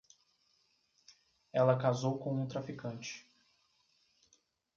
Ela casou com um traficante.